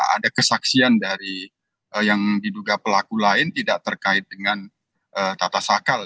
ada kesaksian dari yang diduga pelaku lain tidak terkait dengan tata sakal